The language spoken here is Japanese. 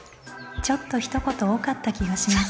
ちょっとひと言多かった気がします。